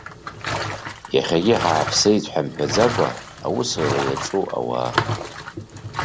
Иахьагьы ҳааԥсеит ҳәа мҳәаӡакәа аусура иаҿу ауаа.